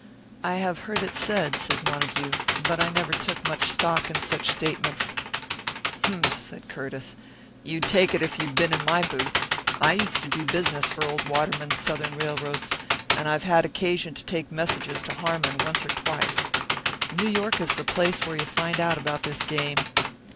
"I have heard it said," said Montague. "But I never took much stock in such statements " "Humph!" said Curtiss. "You'd take it if you'd been in my boots. I used to do business for old Waterman's Southern railroads, and I've had occasion to take messages to Harmon once or twice. New York is the place where you find out about this game!"